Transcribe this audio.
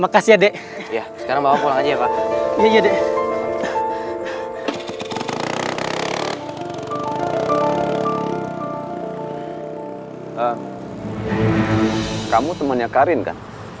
kamu temannya karin kan